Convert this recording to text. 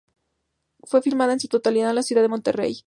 Fue filmada en su totalidad en la ciudad de Monterrey.